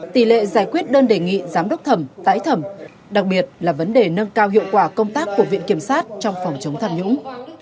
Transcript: tỷ lệ giải quyết đơn đề nghị giám đốc thẩm tái thẩm đặc biệt là vấn đề nâng cao hiệu quả công tác của viện kiểm sát trong phòng chống tham nhũng